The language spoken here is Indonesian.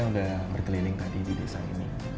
ini kan udah berkeliling tadi di desa ini